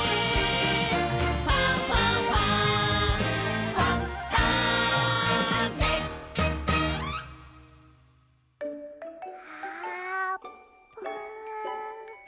「ファンファンファン」あぷん。